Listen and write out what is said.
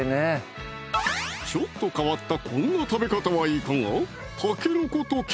ちょっと変わったこんな食べ方はいかが？